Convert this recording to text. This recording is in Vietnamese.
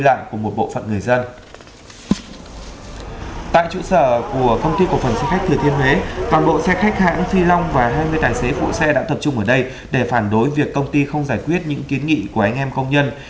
tại trụ sở của công ty cổ phần xe khách thừa thiên huế toàn bộ xe khách hãng phi long và hai mươi tài xế phụ xe đã tập trung ở đây để phản đối việc công ty không giải quyết những kiến nghị của anh em công nhân